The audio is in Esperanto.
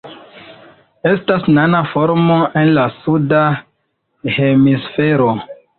Estas nana formo en la Suda Hemisfero.